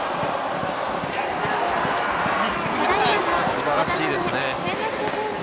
すばらしいですね。